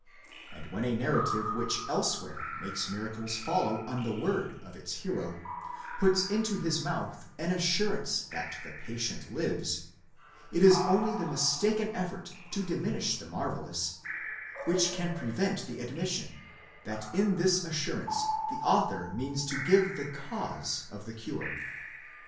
and when a narrative which elsewhere makes miracles follow on the word of its hero, puts into his mouth an assurance that the patient lives, it is only the mistaken effort to diminish the marvellous, which can prevent the admission, that in this assurance the author means to give the cause of the cure.